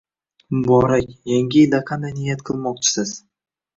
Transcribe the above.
Muborak, Yangi yilda qanday niyat qilmoqchisiz